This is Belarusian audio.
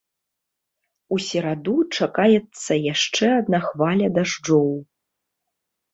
У сераду чакаецца яшчэ адна хваля дажджоў.